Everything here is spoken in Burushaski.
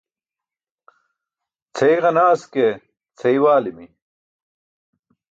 Cʰeey ġanaas ke cʰeey waalimi.